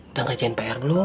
udah ngerjain pr belum